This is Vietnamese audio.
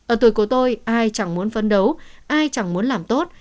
ở tuổi của tôi ai chẳng muốn phấn đấu ai chẳng muốn làm tốt